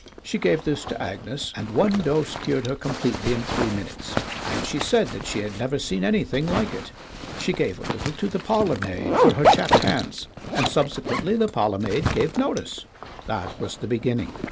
She gave this to Agnes, and one dose cured her completely in three minutes, and she said that she had never seen anything like it. She gave a little to the parlormaid for her chapped hands, and subsequently the parlormaid gave notice. That was the beginning.